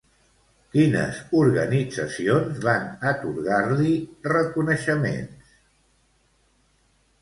Quines organitzacions van atorgar-li reconeixements?